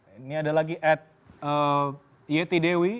ini ada lagi ad yeti dewi